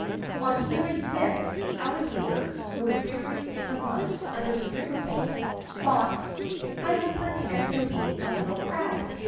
On hearing this the Alligator, who was buried in the mud under the river bank, thought: "I will pretend to be a little crab."